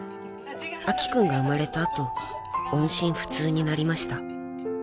［明希君が生まれた後音信不通になりました］